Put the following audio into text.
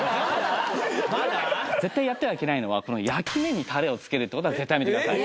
絶対やってはいけないのは焼き面にタレをつけるってことは絶対やめてください